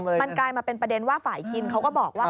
มันกลายมาเป็นประเด็นว่าฝ่ายคินเขาก็บอกว่า